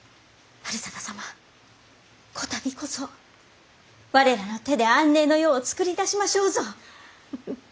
治済様こたびこそ我らの手で安寧の世をつくり出しましょうぞ！